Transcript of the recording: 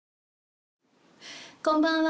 こんばんは。